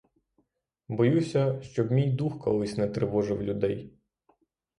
Боюся, щоб мій дух колись не тривожив людей.